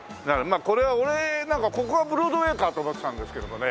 これは俺なんかここがブロードウェイかと思ってたんですけどもね。